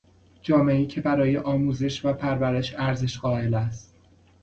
جامعهای که برای آموزش و پرورش ارزش قایل است